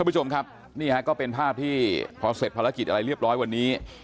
ผู้ชมครับนี่ฮะก็เป็นภาพที่พอเสร็จภารกิจอะไรเรียบร้อยวันนี้